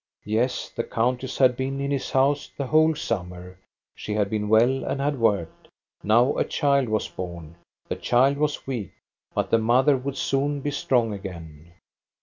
Yes, the countess had been in his house the whole summer. She had been well and had worked. Now a child was born. The child was weak; but the mother would soon be strong again.